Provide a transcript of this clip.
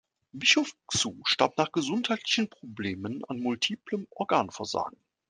Bischof Xu starb nach gesundheitlichen Problemen an multiplem Organversagen.